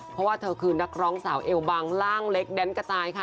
เพราะว่าเธอคือนักร้องสาวเอวบังร่างเล็กแดนกระจายค่ะ